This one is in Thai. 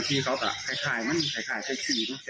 จากประเทศอิสราเอลมาเนี่ย